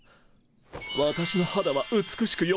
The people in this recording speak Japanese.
私の肌は美しく蘇る。